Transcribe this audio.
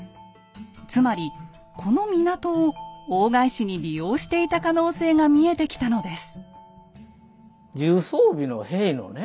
つまりこの港を大返しに利用していた可能性が見えてきたのです。